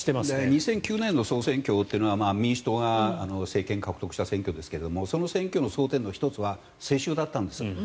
２００９年の総選挙は民主党が政権を獲得した選挙ですがその選挙の争点の１つは世襲だったんです。